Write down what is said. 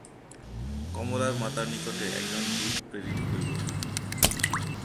কমলের মাতার নিকটে একজন দূত প্রেরিত হইল।